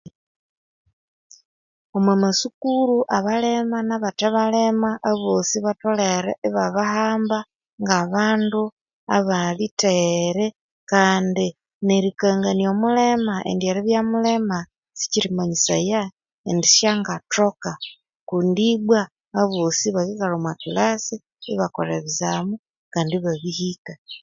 Omwamasukuru abalema nabathe balema aboosi batholere ibabahamba ngabandu abalitheghere kandi nerikangania omulema indi eribya mulema skirimanyisaya indi syangathoka kundi ibwa aboosi bakikalha omwa kilassi ibakolha ebizamu kandi ibabihika